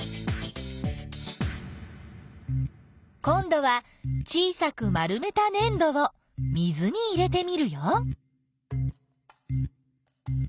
こんどは小さく丸めたねん土を水に入れてみるよ。